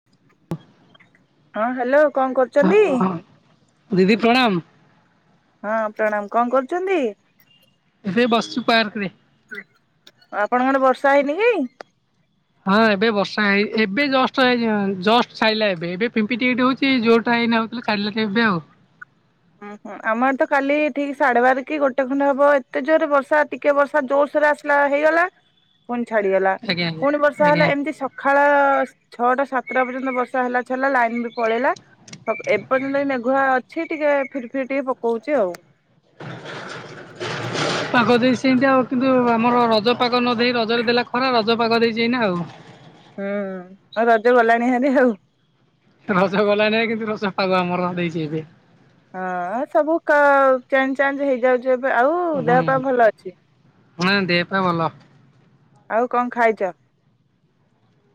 [unintelligible] ହଁ ହାଲୋ କଣ ହଁ କରୁଚନ୍ତି? ହଁ ଦିଦି ପ୍ରଣାମ। ହଁ ପ୍ରଣାମ କଣ କରୁଚନ୍ତି? ଏଠେ ବସଚୁ ପାର୍କରେ। ଆପଣଙ୍କ ଆଡ଼େ ବର୍ଷା ହେଇନି କି? ହଁ ଏବେ ବର୍ଷା ହେଇ ଏବେ ଜଷ୍ଟ ଏଇ ଯି ଅଁ ଜଷ୍ଟ ସାଇଲା ଏବେ ଏବେ ପିମ୍ପି ଟିକେ ଟିକେ ହଉଚି ଯୋରଟା ଏଇନା ହଉଥିଲା। ଛାଡ଼ିଲା ଟି ଏବେ ଆଉ। ଅଁ ହୋ। ଆମ ଆଡ଼େ ତ କାଲି ଠିକି ସାଢ଼େ ବାର କି ଗୋଟେ ଖଣ୍ଡେ ହବ ଏତେ ଜୋରେ ବର୍ଷା ଟିକେ ବର୍ଷା ଜୋର ସୋରେ ଆସିଲା ହେଇଗଲା [unintelligible] ଫୁଣି ଛାଡ଼ିଗଲା ଆଜ୍ଞା ଆଜ୍ଞା ପୁଣି ବର୍ଷା ହେଲା ଆଜ୍ଞା। ଏମତି ସ ଖାଳ ଛଅଟା ସାତଟା ପର୍ଯ୍ୟନ୍ତ ବର୍ଷା ହେଲା ଛାଡ଼ଲା ଲାଇନ୍ ବି ପଳେଇଲା। ହକ୍ ଏ ପର୍ଯ୍ୟନ୍ତ ବି ମେଘୁଆ ଅଛି ଟିକେ ଫିରି ଫିରି ଟିକେ ପକଉଚି ଆଉ। [unintelligible] ପାଗ ଦେଇଚି ସିଇନ୍ତି ଆଉ କିନ୍ତୁ ଆମର ରଜ ପାଗ ନ ଦେଇ ରଜରେ ଦେଲା ଖରା ରଜ ପାଗ ଦେଇଚି ଏଇନା ଆଉ। ହୁଁ, ଆଉ ରଜ ଗଲାଣି ହାରି ଆଉ ରଜ ଗଲାଣି କିନ୍ତୁ ରଜ ପାଗ ଆମର ହେଇଛି ଏବେ। ହଁ, ସବୁ ଚେଞ୍ଜ ଚାଞ୍ଜ ହେଇଯାଉଛି ଏବେ ଆଉ ହୁଁ। ଦେହ ପା ଭଲ ଅଛି? ହଁ, ଦେହ ପା ଭଲ। ଆଉ କଣ ଖାଇଚ?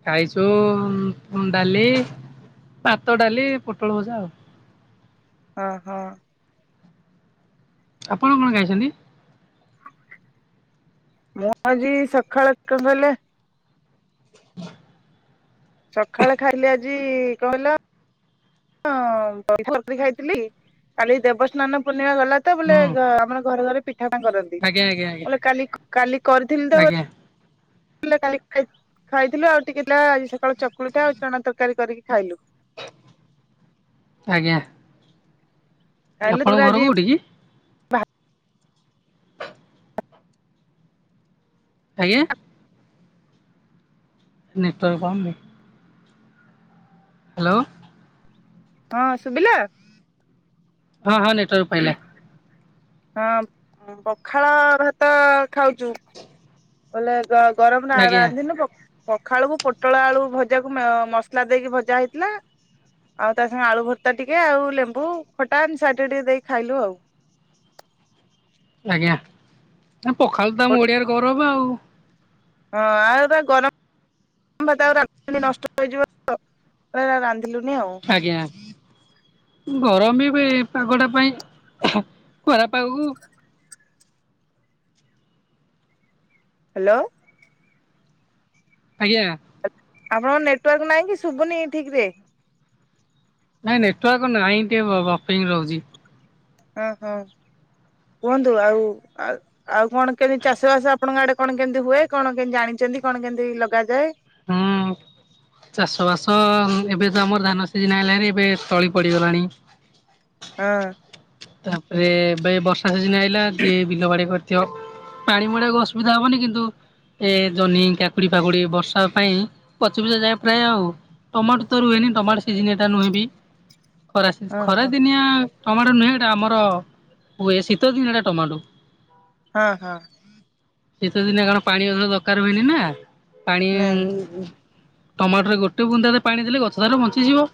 ଖାଇଚୁ ଡାଲି, ଭାତ, ଡାଲି, ପୋଟଳ ଭଜା ଆଉ। ଓହ। ଆପଣ କଣ ଖାଇଛନ୍ତି? ମୁଁ ଆଜି ସକାଳ ଏକା ବଲେ ସକାଳେ ଖାଇଲେ ଆଜି କଣ କହିଲ ହଁ, [unintelligible] ଖାଇଥିଲି କାଲି ଦେବସ୍ନାନ ପୂର୍ଣ୍ଣିମା ଗଲା ତ ହୁଁ ବୋଲେ ଆମର ଘରେ ଘରେ ପିଠାପଣା କରନ୍ତି। ଆଜ୍ଞା ଆଜ୍ଞା ଆଜ୍ଞା [unintelligible] କାଲି କାଲି କରିଥିଲି ତ ଆଜ୍ଞା କାଲି ଖାଇଥିଲୁ ଆଉ ଟିକେ ସକାଳୁ ଚକୁଳିଟା ଆଉ ଚଣା ତରକାରୀ କରିକି ଖାଇଲୁ। ଆଜ୍ଞା। ଖାଇଲୁ ତାପରେ ଆପଣଙ୍କ ଘର ଆଜି କୋଉଠି କି? ଆଜ୍ଞା। ନେଟୱର୍କ ପାଉନି ହାଲୋ। ହଁ, ସୁବିଲା ହଁ, ହଁ ନେଟୱାର୍କ ପାଇଲା। ହଁ, ପଖାଳ ଭାତ ଖାଉଚୁ। ବୋଇଲେ ଆ ଆଉ ଗରମ ଟା ଆଜ୍ଞା ରାନ୍ଧିନୁ ପ ପଖାଳ କୁ ପୋଟଳ ଆଳୁ ଭଜାକୁ ମସଲା ଦେଇକି ଭଜା ହେଇଥିଲା ଆଉ ତା ସାଙ୍ଗେ ଆଳୁ ଭର୍ତ୍ତା ଟିକେ ଆଉ ଲେମ୍ବୁ ଖଟା ଏମିତି ସାଇଟ ରେ ଟିକେ ଦେଇ ଖାଇଲୁ ଆଉ ଆଜ୍ଞା, ପଖାଳ ତ ଆମ ଓଡିଆର ଗୌରବ ଆଉ। ହଁ, ଆଉ ଏ ଗରମ ଗରମ ଭାତ ଗୁରା ନଷ୍ଟ ହେଇଯିବ ରାନ୍ଧିଲୁନି ଆଉ ଆଜ୍ଞା। ଗରମ ବି ପାଗଟା ପାଇଁ ଖରାପାଗକୁ ହ୍ୟାଲୋ। ଆଜ୍ଞା। ଆପଣଙ୍କ ନେଟୱାର୍କ ନାହିଁ କି ଶୁଭୁନି ଠିକରେ ନାଇଁ ନେଟୱାର୍କ ନାହିଁ ଟିକେ ବ-ବପିଙ୍ଗ ରହୁଛି। ହଁ ହଁ କୁହନ୍ତୁ ଆଉ ଆ ଆଉ କଣ କେମିତି ଚାଷବାସ ଆପଣଙ୍କ ଆଡେ କଣ କେମିତି ହୁଏ କଣ କେମିତି ଜାଣିଛନ୍ତି କଣ କେମିତି ଲଗାଯାଏ? ହୁଁ ଉଁ। ଚାଷବାସ ଏବେ ତ ଆମର ଧାନ ସିଜିନ ଆଇଲାଣି ଏବେ ତଳି ପଡ଼ିଗଲାଣି। ହଁ। ତାପରେ ଏ ବର୍ଷା ସଜିିନ ହେଇଲା ଯିଏ ବିଲ ବାଡି କରି [unintelligible] ପାଣି ମଡାକୁ ଅସୁବିଧା ହବନି କିନ୍ତୁ ଏ ଜହ୍ନି କାକୁଡି ଫାକୁଡି ବର୍ଷା ପାଇଁ ପଚିପୁଚା ଯାଏ ପ୍ରାୟ ଆଉ। ଟମାଟୋ ତ ରୁହେନି ଟମାଟୋ ସିଜିନିଆ ଟା ନୁହେଁ ବି ଖରା ହଁ ଖରା ହଁ ଦିନିଆ ଟମାଟୋ ନୁହେଁ ଆମର ହୁଏ ଶୀତ ଦିନ ଟମାଟୋ। ହଁ ହଁ। ଶୀତ ଦିନେ କଣ ପାଣି ଅଧିକ ଦରକାର ହୁଏନି ନା ପାଣି ନାଇଁ ଟମାଟୋରେ ଗୋଟେ ବୁନ୍ଦାରେ ପାଣି ଦେଲେ ଗଛ ତାର ବଞ୍ଚିଯିବ।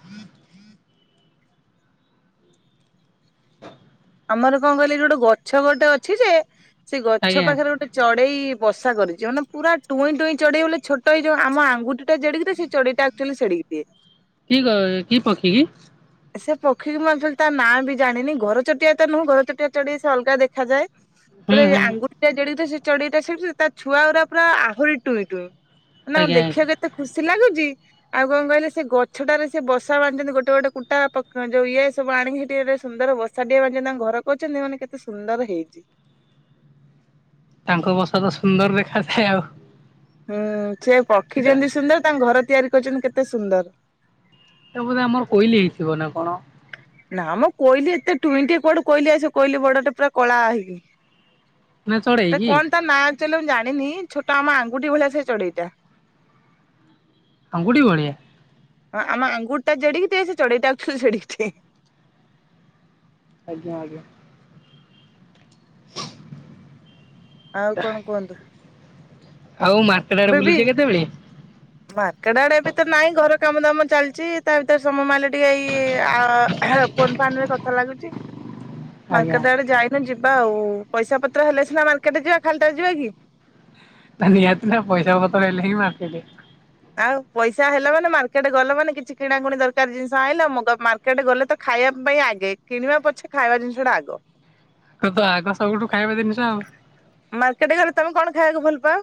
[inaudible] ଆମର କଣ କହିଲି ଗୋଟେ ଗଛ ଗୋଟେ ଅଛି ଯେ ସେ ଗଛ ଆଜ୍ଞା ପାଖରେ ଗୋଟେ ଚଢେଇ ବସା କରିଛି ମାନେ ପୁରା ଟୁଇଁ ଟୁଇଁ ଚଢେଇ ବୋଲେ ଛୋଟ ହେଇଯାଉ ଆମ ଆଙ୍ଗୁଠି ଟା ଜେଡିକିଟେ ସେ ଚଢେଇଟା ଆକଚୁଆଲି ସେଡିକି ଟିଏ। କି କ କି ପଖୀ କି ସେ ପକ୍ଷୀକୁ ମୁଁ ଆକଚୁଆଲି ତା ନାଁ ବି ଜାଣିନି ଘର ଚଟିଆ ତ ନୁହଁ ଘର ଚଟିଆ ଚଢ଼େଇ ସେ ଅଲଗା ଦେଖାଯାଏ। ହୁଁ ପୁରା ଏଇ ହୁଁ ଆଙ୍ଗୁଠି ଟା ଜେଡିକିଟିଏ ସେ ଚଢେଇଟା ସେଡିକି ସେଡିକି ତା ଛୁଆ ଗୁଡା ପୁରା ଆହୁରି ଟୁଇଁ ଟୁଇଁ। ନା ଆଜ୍ଞା ଦେଖିବାକୁ ଏତେ ଖୁସି ଲାଗୁଛି ଆଉ କଣ କହିଲେ ସେ ଗଛଟାରେ ସେ ବସା ବାନ୍ଧିଛନ୍ତି ଗୋଟେ ଗୋଟେ କୁଟା ଯୋଉ ଇଏ ସବୁ ଆଣିକି ସେଠି ସୁନ୍ଦର ବସା ଟିଏ ବାନ୍ଧିଛନ୍ତି ତାଙ୍କ ଘର କରିଛନ୍ତି ମାନେ କେତେ ସୁନ୍ଦର ହେଇଛି। ତାଙ୍କ ବସା ତ ସୁନ୍ଦର ଦେଖାଯାଏ ଆଉ ହୁଁ ସେ ପକ୍ଷୀ ସେଟା ଯେମିତି ସୁନ୍ଦର ତାଙ୍କ ଘର ତିଆରି କରିଛନ୍ତି କେତେ ସୁନ୍ଦର। ଏ ବୋଧେ ଆମର କୋଇଲି ହେଇଥିବ ନା କଣ? ନା ମ କୋଇଲି ଏତେ ଟୁଇଁଟିଏ କୁଆଡୁ କୋଇଲି ଆସିବ କୋଇଲି ବଡଟେ ପୁରା କଳା ହେଇକି ନା ଚଢେଇ ସେଟା କି କଣ ତା ନାଁ ଆକଚୁଆଲି ମୁଁ ଜାଣିନି ଛୋଟ ଆମ ଆଙ୍ଗୁଠି ଭଳିଆ ସେ ଚଢେଇଟା। ଅଙ୍ଗୁଠି ଭଳିଆ? ହଁ ଆମ ଆଙ୍ଗୁୁଠିଟା ଜେଡିକି ଟିଏ ସେ ଚଢେଇଟା ଆକଚୁଆଲି ସେଡ଼ିକି ଟିଏ। ଆଜ୍ଞା ଆଜ୍ଞା। [inaudible] ଆଉ କଣ କୁହନ୍ତୁ? ଆଉ ମାର୍କେଟ ଆଡେ ଏବେ ବି ବୁଲିଛେ କେତେବେଳେ? ମାର୍କେଟ ଆଡେ ଏବେ ତ ନାହିଁ ଘର କାମ ଦାମ ଚାଲିଛି ତା ଭିତରେ ସମୟ ମାଇଲେ ଟିକେଇ ଫୋନ ଫରେ କଥା ଲାଗୁଛି ଆଜ୍ଞା ମେଟ ଆଡେ ଯାଇ ନା ଯିବା ଆଉ ପଇସା ପତ୍ର ହେଲେ ସିନା ମାର୍କେଟ ଯିବା ଖାଲି ଟାରେ ଯିବା କି? ତା ନିହାତି ନା ପଇସା ପତ୍ର ହେଲେ ହିଁ ମାର୍କେଟିଙ୍ଗ। ଆଉ ପଇସା ହେଲା ମାନେ ମାର୍କେଟ ଗଲ ମାନେ କିଛି କିଣାକୁଣି ଦରକାର ଜିନିଷ ଆଇଁଲ ମୋଗା ମାର୍ କେଟେ ଗଲେ ତ ଖାଇବା ପାଇଁ ଆଗେ କିଣିବା ପଛେ ଖାଇବା ଜିନିଷ ଟା ଆଗ ତୋର ତ ଆଗ ସବୁଠୁ ଖାଇବା ଜିନିଷ ଆଉ ମାର୍କେଟେ ଗଲେ ତମେ କଣ ଖାଇବାକୁ ଭଲ ପାଅ?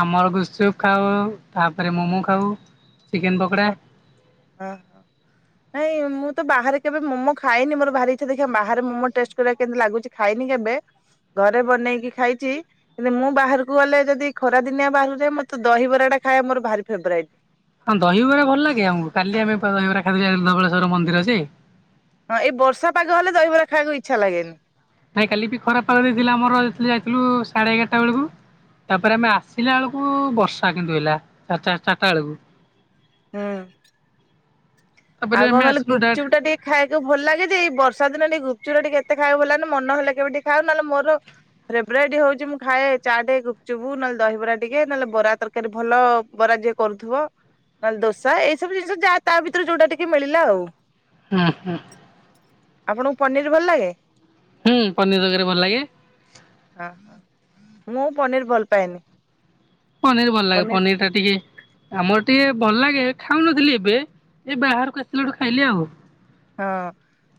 ଆମର ଗୁପ୍ ଚୁପ୍ ଖାଉ ତା ପରେ ମୋମୋ ଖାଉ ଚିକେନ ପକୋଡା ହଁ ହଁ ନାଇଁ, ମୁଁ ତ ବାହାରେ କେବେ ମୋମୋ ଖାଇନି, ମୋର ଭାରି ଇଛା ଦେଖିବା ବାହାରେ ମୋମୋ ଟେଷ୍ଟ ସେଗୁଡ଼ାକ କେମତି ଲାଗୁଛି ଖାଇନି କେବେ ଘରେ ବନେଇକି ଖାଇଛି। କିନ୍ତୁ ମୁଁ ବାହାରକୁ ଗଲେ ଯଦି ଖରା ଦିନିଆ ବାହାରକୁ ଯାଏ, ମତେ ଦହିବରାଟା ଖାଇବା ମୋର ଭାରି ଫେବରାଇଟ୍। ହଁ, ଦହିବରା ଭଲ ଲାଗେ ଆମକୁ କାଲି ଆମେ ପରା ଦହିବରା ଖାଇଲୁ ଯେ ଧବଳେଶ୍ଵର ମନ୍ଦିର ସେ ହଁ, ଏଇ ବର୍ଷା ପାଗ ହେଲେ ଦହିବରା ଖଇବାକୁ ଇଚ୍ଛା ଲାଗେନି। ନାଇଁ କାଲି ବି ଖରାପ ପାଗ ଦେଇଥିଲା ମୋର ଆଉ ସ୍ତ୍ରୀର ଯାଇଥିଲୁ ସାଢେ ଏଗାରଟା ବେଳକୁ ତା ପରେ ଆମେ ଆସିଲା ବେଳକୁ ବର୍ଷା କିନ୍ତୁ ହେଲା ଚାରିଟା, ଚାରିଟା ବେଳକୁ ହୁଁ, ତାପରେ ଆଉ କଣ ଆମେ କହିଲ ଆସିଲୁ ଡାଇରେକ୍ଟ ଗୁପଚୁପ୍ ଟା ଟିକେ ଖାଇବାକୁ ଭଲ ଲାଗେ ଯେ ଏଇ ବର୍ଷା ଦିନେ ଟିକେ ଗୁପଚୁପ୍ ଟା ଟିକେ ଏତେ ଖାଇବାକୁ ଭଲ ଲାଗେନି ମନହେଲେ କେବ ଟିକେ ଖାଉ ନହେଲେ ମୋର ଫେବ୍ରାଇଟ୍ ହଉଛି ମୁଁ ଖାଏ ଚାଟେ, ଗୁପଚୁପୁ ନହଲେ ଦହିବରା ଟିକେ ନହେଲେ ବରା ତର ତିଆରି ଭଲ ବରା ଯିଏ କରୁଥିବ। ନହେଲେ ଦୋସା ଏଇ ସବୁ ଜିନିଷ ଯାହା ତା ଭିତରେ ଯୋଉଟା ଟିକେ ମିଳିଲା ଆଉ ହୁଁ, ହୁଁ। ଆପଣଙ୍କୁ ପନିର୍ ଭଲ ଲାଗେ? ହୁଁ, ପନିର ତରକାରୀ ଭଲ ଲାଗେ। ହଁ, ମୁଁ ପନିର ଭଲ ପାଏନି। ପନିର ଭଲ ଲାଗେ। ପନିର ଟା ଟିକେ ଆମର ଟିକେ ଭଲ ଲାଗେ ଖାଉନଥିଲି ଏବେ ଏ ବାହାରକୁ ଆସିଲା ଠୁ ଖାଇଲି ଆଉ। ହଁ,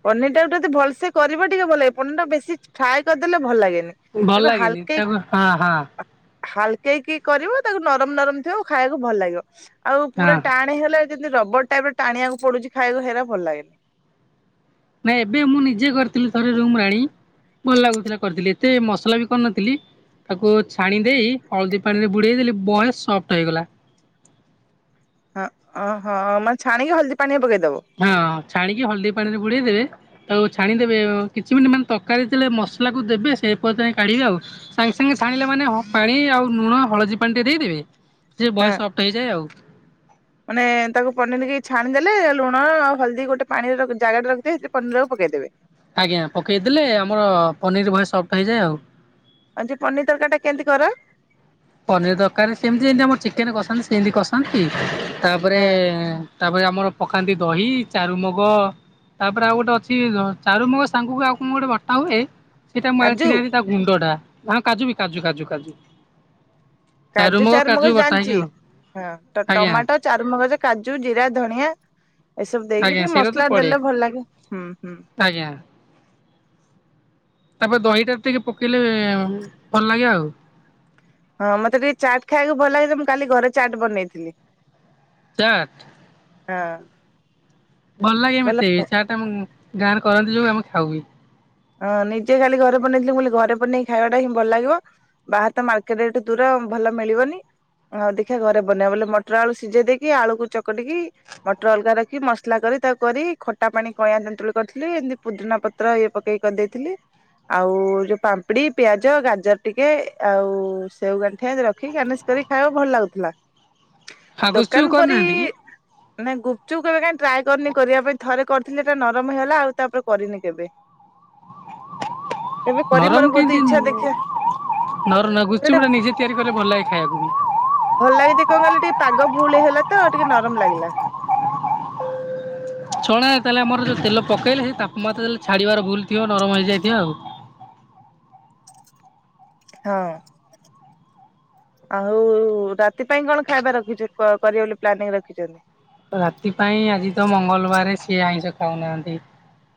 ପନିର ଟାକୁ ଯଦି ଭଲସେ କରିବ ଟିକେ ଭଲ ଲାଗେ ପନିର ଟା ବେଶୀ ଫ୍ରାଏ କରିଦେଲେ ଭଲ ଲାଗେନି। ଭଲ ତାକୁ ଲାଗେନି। ତାକୁ ହଁ, ହଁ। ହାଲକେଇ କି କରିବ ତାକୁ ନରମ ନରମ ଥିବ ଆଉ ଖାଇବାକୁ ଭଲ ଲାଗିବ ଆଉ ପୁରା ହଁ ଟାଣ ହେଲେ ଯେମିତି ରବର ଟାଇପ ରେ ଟାଣିବାକୁ ପଡୁଛି ଖାଇବାକୁ ହେରା ଭଲ ଲାଗେନି। ନାଇଁ ଏବେ ମୁଁ ନିଜେ କରିଥିଲି। ଥରେ ରୁମ ରେ ଆଣି ଭଲ ଲାଗୁଥିଲା କରିଥିଲି ଏତେ ମସଲା ବି କରିନଥିଲି। ତାକୁ ଛାଣି ଦେଇ ହଳଦୀ ପାଣିରେ ବୁଡ଼େଇ ଦେଲି ବହା ସଫ୍ଟ ହେଇଗଲା। ହଁ, ଓହଁ ମାନେ ଛାଣିକି ହଳଦୀ ପାଣିଆ ପକେଇଦବ? ହଁ, ଛାଣିକି ହଳଦୀ ପାଣି ରେ ବୁଡେଇଦେବେ ତାକୁ ଛାଣିଦେବେ କିଛି ମିନି୍ଟ ମାନେ ତରକାର ଯେତେବେଳେ ମସଲାକୁ ଦେବେ ସେ ପର୍ଯ୍ୟନ୍ତ କାଢ଼ିବେ ଆଉ ସାଙ୍ଗେ ସାଙ୍ଗେ ଛାଣିଲେ ମାନେ ପାଣି ଆଉ ଲୁଣ ହଳଦୀ ପାଣି ଟିକେ ଦେଇଦେବେ। ଯେ ବୟ ହଁ ସଫ୍ଟ ହେଇଯାଏ ଆଉ। ମାନେ ତାକୁ ପନିର କି ଛାଣିଦଲେ ଲୁଣ ଆଉ ହଳଦୀ ଗୋଟେ ପାଣିର ଜାଗାଟ ରଖିେ ସେ ପନିର ଟାକୁ ପକେଇ ଦେବେ। ଆଜ୍ଞା, ପକେଇଦେଲେ ଆମର ପନିର ବହେ ସଫ୍ଟ ହେଇଯାଏ ଆଉ। ଆଣ୍ଟି ପନିର ତରକାରୀ ଟା କେମିତି କର। ପନିର ଦରକାର ସେମିତି ଯେମତି ଆମର ଚିକେନ କସନ୍ତି ସେମିତି କସନ୍ତି ତାପରେ ହଁ ତା ପରେ ଆମର ପକାନ୍ତି ଦହି ଚାରୁ ମଗ ତା ପରେ ଆଉ ଗୋଟେ ଅଛି ଚାରୁ ମଗଜ‌ ସାଙ୍ଗକୁ ଆଉ କଣ ଗୋଟେ ବଟା ହୁଏ? ସେଇଟା କାଜୁ [unintelligible] ଲି ହେରି ତା ଗୁଣ୍ଡ ଟା ଆଁ କାଜୁ ବି କାଜୁ, କାଜୁ, କାଜୁ। କାଜୁ, ଚାରୁମଗ ଚାରୁ ମଗଜ ବଟା ଜାଣିଛି ହେଇକି ଆଉ ଥିବେ, ହଁ, ଆଜ୍ଞା ଟମାଟୋ, ଚାରୁ ମଗଜ, କାଜୁ, ଜିରା, ଧନଆ ଏସବୁ ଦେଇକି ଆଜ୍ଞା ଟିକେ ସେଇଟା ତ ମସଲା ପଡେ ଦେଲେ ଭଲ ଲାଗେ, ହୁଁ, ହୁଁ। ଆଜ୍ଞା। ତା ପରେ ଦହିଟା ଟିକେ ପକେଇଲେ ଭଲ ଲାଗେ ଆଉ। ହଁ, ମତେ ଟିକେ ଚାଟ୍ ଖାଇବାକୁ ଭଲ ଲାଗୁଛି ମୁଁ କାଲି ଘରେ ଚାଟ୍ ବନେଇଥିଲି। ଚାଟ? ହଁ। ଭଲ ଲାଗେ ମେତେ ଚାଟ ଆମ ଗାଁରେ କରନ୍ତି ଯୋଉ ଆମେ ଖାଉ ବି ହଁ, ନିଜେ ଖାଲି ଘରେ ବନେଇ ଥିଲି ମୁଁ କହିଲି ଘରେ ବାନେଇକି ଖାଇବାଟା ହିଁ ଭଲ ଲାଗିବ। ବାହାର ତ ମାର୍କେଟ ଏ ଠୁ ଦୂର ଭଲ ମିଳିବନି। ଆଉ ଦେଖିବା ଘରେ ବନେଇବା ବୋଲେ ମଟର ଆଳୁ ସିଝେଇ ଦେଇକି ଆଳୁକୁ ଚକଟିକି ମଟର ଅଲଗା ରଖିକି ମସ ସଖିଲା କରି ତାକୁ କରି ଖଟା ପାଣି କଇଆଁ ତେନ୍ତୁଳି କରିଥିଲି ଏମିତି ପୁଦ୍ରିନା ପତ୍ର ଇଏ ପକେଇି କରିଦେଇଥିଲି। ଆଉ ଯୋଉ ପାମ୍ପୁଡି ପିଆଜ ଗାଜର ଟିକେ ଆଉ ସେଓ ଗଣ୍ଠିଆର ଠିକ୍ ଗାନେସ କରି ଖାଇବ ଭଲ ଲାଗୁଥିଲା। ଆଉ ଗୁପଚୁପ୍ ଦୋକାନ ପରି କରିନାହାନ୍ତି କି ମାନେ ଗୁପଚୁପ କେବେ କାଇ ଟ୍ରାଏ କରିନି କରିବା ପାଇଁ ଥରେ କରିଥିଲି ଏଟା ନରମ ହେଇଗଲା ଆଉ ତାପରେ କରିନି କେବେ। କେବେ କରିବି ମୋର ନରମ ବହୁତ କେମିତି ଇଚ୍ଛା ଦେଖିବା ନର ନାଗୁଚ ଗୋଟେ ଗୁପଚୁପଟା ନିଜେ ତିଆରିକଲେ ଭଲ ଲାଗେ ଖାଇବାକୁ ବି। ଭଲ ଲାଗେଯେ କଣ କହିଲ ଟିକେ ପାଗ ଭୁଲ ହେଇଗଲା ତ ଟିକେ ନରମ ଲାଗିଲା। ଛଣା ତାହେଲେ ଆମର ଯୋଉଁ ତେଲ ପକେଇଲେ ସେ ତାପାମାତ୍ରା ତାହେଲେ ଛାଣିବାର ଭୂଲ ଥିବ ନରମ ହେଇଯାଇଥିବ ଆଉ। ହଁ। ଆଉ ରାତି ପାଇଁ କଣ ଖାଇବା ରଖିଛ କରିବ ବୋଲି ପ୍ଲାନିଂ ରଖିଛ। ରାତି ପାଇଁ ଆଜି ତ ମଙ୍ଗଳବାର ସିଏ ଆଇଁଷ ଖାଉନାହାନ୍ତି।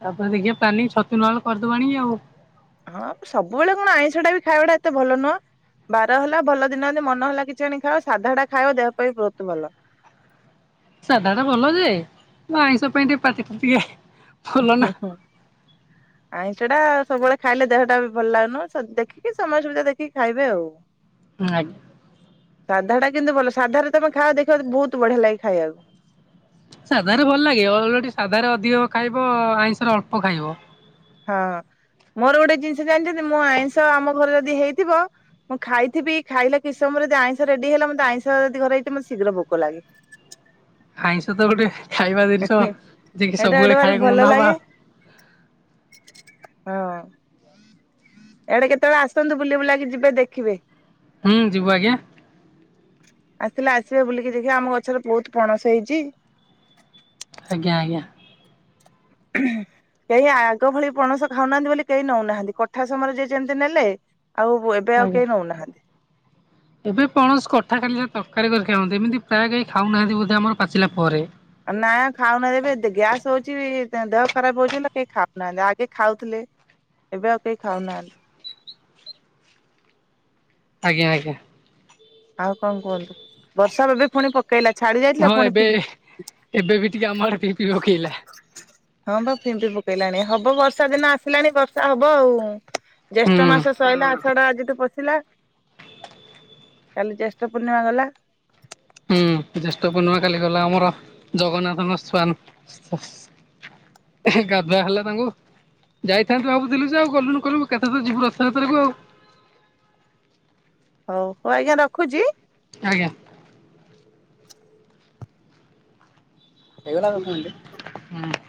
ତାପରେ ଦେଖିବା ପ୍ଲାନିଂ ଛତୁ ନହେଲେ କରିଦବୁ ଆଣିକି ଆଉ। ହଁ ସବୁବେଳେ କଣ ଆଇଁଷଟା ବି ଖାଇବା ଟା ଏତେ ଭଲ ନୁହଁ। ବାର ହେଲା ଭଲ ଦିନ ମନ ହେଲା କିଛି ଆଣି ଖାଅ ସାଧା ଟା ଖାଅ ଦେହ ପାଇଁ ବହୁତ ଭଲ। ସାଧାଟା ଭଲ ଯେ ଆଇଁଷ ପାଇଁ ଟିକେ ପାଟି ଫାଟି ଟିକେ ହୁଁ ହୁଁ। ‌ [inaudible] ଆଇଁଷଟା ସବୁବେଳେ ଖାଇଲେ ଦେହଟା ବି ଭଲ ଲାଗନ ଦେଖିକି ସମୟ ସୁବିଧା ଦେଖିକି ଖାଇବେ ଆଉ। ଆ- ସାଧା ଟା କିନ୍ତୁ ଭଲ ସାଧାରେ ତମେ ଖାଅ ଦେଖିବ ବହୁତ ବଢିଆ ଲାଗେ ଖାଇବାକୁ। ସାଧାରେ ଭଲ ଲାଗେ ଓଲୋଟି ସାଧାରେ ଅଧିକ ଖାଇବ ଆଇଁଷରେ ଅଳ୍ପ ଖାଇବ। ହଁ ମୋର ଗୋଟେ ଜିନିଷ ଜାଣିଛନ୍ତି ମୁଁ ଆଇଁଷ ଆମ ଘରେ ଯଦି ହେଇଥିବ। ମୁଁ ଖାଇଥିବି ଖାଇଲା କିଛି ସମୟରେ ଯଦି ଆଇଁଷ ରେଡି ହେଲା ମତେ ଆଇଁଷ ଯଦି ଘରେ ହେଇଥିବ ମତେ ଶୀଘ୍ର ଭୋକ ଲାଗେ। ଆଇଁଷତ ଗୋଟେ ଖାଇବା ଜିନିଷ ଯିଏକି ଏଇଟା ଗୋଟେ ସବୁବେଳେ ଭାରି ଖାଇବାକୁ ଭଲ ମନେ ହବ। ଲାଗେ ହଁ। ଇଆଡେ କେତେବେଳେ ଆସନ୍ତୁ ବୁଲି ବୁଲାକି ଯିବେ ଦେଖିବେ। ହୁଁ ଯିବୁ ଆଜ୍ଞା। ଆସିଲେ ଆସିବେ ବୁଲିକି ଦେଖିବ ଆମ ଗଛରେ ବହୁତ ପଣସ ହେଇଛି। ଆଜ୍ଞା ଆଜ୍ଞା। କେହି ଆଗ ଭଳି ପଣସ ଖାଉନାହାନ୍ତି ବୋଲି କେହି ନୋଉନାହାନ୍ତି। କଠା ସମୟରେ ଯିଏ ଯେମିତି ନେଲେ। ଆଉ ଏବେ ଆଉ ଆଜ୍ଞା। କେହି ନୋଉନାହାନ୍ତି। ଏବେ ପଣସ କଠା ଖାଲି ଯାହା ତରକାରୀ କରି ଖାଆନ୍ତି ଏମିତି ପ୍ରାୟ କେହି ଖାଉନାହାନ୍ତି ବୋଧେ ଆମର ପାଚିଲା ପରେ। ନା ଖାଉନାହାନ୍ତି ଏବେ ଗ୍ୟାସ୍ ହଉଛି। ଦେହ ଖରାପ ହଉଛି ବୋଲି କେହି ଖାଉନାହାନ୍ତି ଆଗେ ଖାଉଥିଲେ। ଏବେ ଆଉ କେହି ଖାଉନାହାନ୍ତି। ଆଜ୍ଞା ଆଜ୍ଞା। ଆଉ କଣ କୁହନ୍ତୁ। ବର୍ଷା ଏବେ ପୁଣି ପକେ ପକେଇଲା ଛାଡ଼ି ଯାଇଥିଲା ହଁ ପୁଣି ଏବେ ଫି ଏବେ ବି ଟିକେ ଆମ ଆଡେ ପିପି ପକେଇଲା ହଁ ବା ଫିମ୍ପି ପକେଇଲାଣି। ହବ ବର୍ଷା ଦିନ ଆସିଲାଣି ବର୍ଷା ହବ ଆଉ। ହୁଁ। ଜ୍ୟେଷ୍ଠ ମାସ ସଇଲା ଆଷାଢ଼ ଆଜି ଠୁ ପଶିଲା। କାଲି ଜ୍ୟେଷ୍ଠ ପୂର୍ଣ୍ଣିମା ଗଲା। ହୁଁ ଜ୍ୟେଷ୍ଠ ପୂର୍ଣ୍ଣିମା କାଲି ଗଲା ଆମର ଜଗନ୍ନାଥଙ୍କ ସ୍ଵାନ ଗାଧୁଆ ହେଲା ତାଙ୍କୁ। ଯାଇଥାନ୍ତୁ ଭାବୁଥିଲୁ ଯେ ଆଉ ଗଲୁନୁ କହିଲୁ କେତେଥର ଯିବୁ ରଥଯାତ୍ରାକୁ ଆଉ। ହଉ। ହଉ ଆଜ୍ଞା ରଖୁଛି। ଆଜ୍ଞା। ହେଇଗଲା ଦଶ ମିନିଟି। ହୁଁ